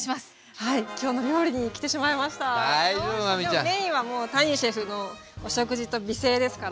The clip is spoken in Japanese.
でもメインはもう谷シェフのお食事と美声ですから。